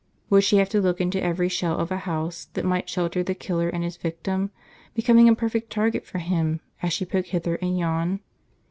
Would she have to look into every shell of a house that might shelter the killer and his victim, becoming a perfect target for him as she poked hither and yon?